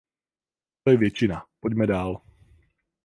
To je většina; pojďme dál.